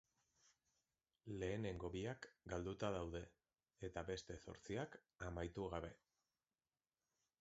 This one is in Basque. Lehenengo biak galduta daude, eta beste zortziak amaitu gabe.